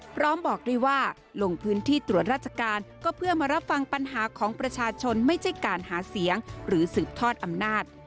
พร้อมบอกด้วยว่าลงพื้นที่ตรวจราชการก็เพื่อมารับฟังปัญหาของประชาชนไม่ใช่การหาเสียงหรือสืบทอดอำนาจ